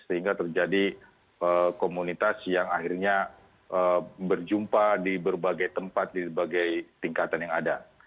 sehingga terjadi komunitas yang akhirnya berjumpa di berbagai tempat di berbagai tingkatan yang ada